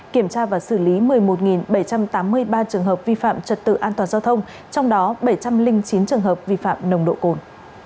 kiểm tra và xử lý một mươi một bảy trăm tám mươi ba trường hợp vi phạm trật tự an toàn giao thông trong đó bảy trăm linh chín trường hợp vi phạm nồng độ cồn